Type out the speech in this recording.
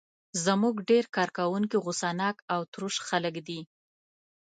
زموږ ډېر کارکوونکي غوسه ناک او تروش خلک دي.